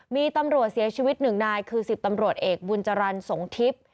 มีตำรวจเสียชีวิตหนึ่งนายคือ๑๐ตำรวจเอกบุญจรรย์สงทิพย์